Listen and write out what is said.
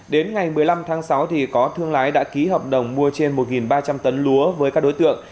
đến ngày một mươi năm tháng sáu có thương lái đã ký hợp đồng mua trên một ba trăm linh tấn lúa với các đối tượng